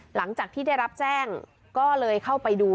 หลังจากที่ได้รับแจ้งก็เลยเข้าไปดู